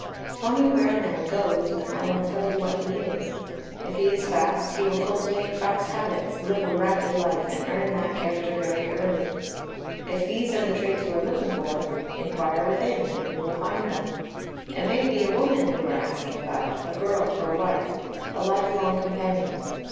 Tell me where a man goes, and I will tell you what he is. If he is fast, he will cultivate fast habits, live a rapid life, and earn that character very early. If these are the traits you are looking for, "inquire within" and you will find them. It may be a woman you are asking about, a girl for a wife, a life long companion.